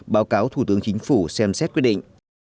báo cáo thủ tướng chính phủ xem xét quyết định